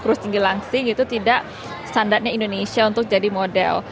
kurus tinggi langsing itu tidak standarnya indonesia untuk jadi model